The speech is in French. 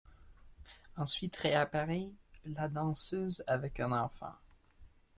Ensuite réapparaît la danseuse avec un enfant.